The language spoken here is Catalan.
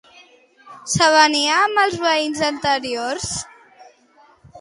S'avenia amb els veïns anteriors?